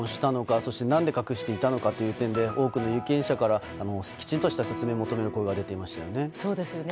そして何で隠していたのかという点で多くの有権者からきちんとした説明を求める声がそうですよね。